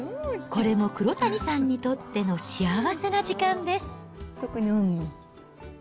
これも黒谷さんにとっての幸せな時間です。